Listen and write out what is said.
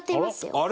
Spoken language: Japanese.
あれ？